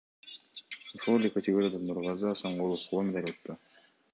Ошол эле категорияда Нургазы Асангулов коло медаль утту.